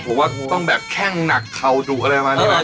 ผมว่าต้องแข้งหนักเขาดูอะไรมาดีกว่า